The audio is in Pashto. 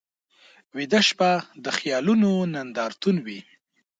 ویده شپه د خیالونو نندارتون وي